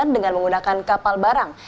dengan menggunakan kapal barang